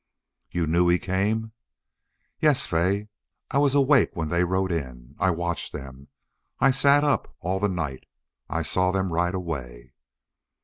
"You knew he came?" "Yes, Fay. I was awake when they rode in. I watched them. I sat up all night. I saw them ride away."